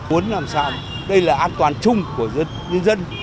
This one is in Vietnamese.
muốn làm sao đây là an toàn chung của nhân dân